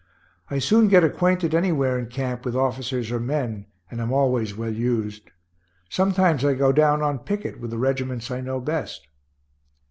I soon get acquainted anywhere in camp with officers or men, and am always well used. Sometimes I go down on picket with the regiments I know best.